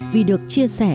vì được chia sẻ